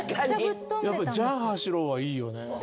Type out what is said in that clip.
やっぱり「じゃ、走ろ」はいいよね。